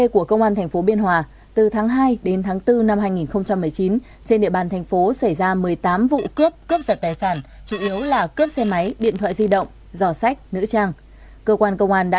cướp giật tài sản chủ yếu là cướp xe máy điện thoại di động giò sách nữ trang cơ quan công an đã